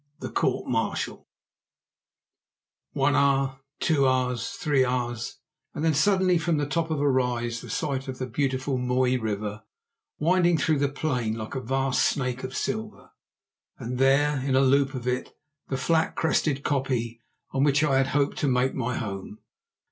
THE COURT MARTIAL One hour, two hours, three hours, and then suddenly from the top of a rise the sight of the beautiful Mooi River winding through the plain like a vast snake of silver, and there, in a loop of it, the flat crested koppie on which I had hoped to make my home.